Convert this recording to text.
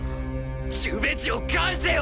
ジュベジュを返せよ！